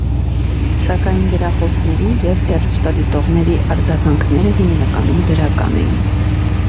Սակայն գրախոսների և հեռուստադիտողների արձագանքները հիմնականում դրական էին։